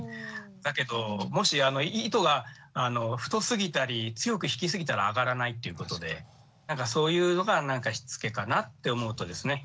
だけどもし糸が太すぎたり強く引きすぎたら揚がらないっていうことでなんかそういうのがしつけかなって思うとですね